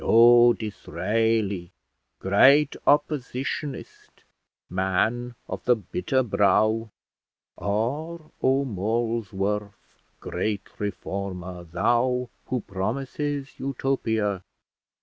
Oh, Disraeli, great oppositionist, man of the bitter brow! or, Oh, Molesworth, great reformer, thou who promisest Utopia.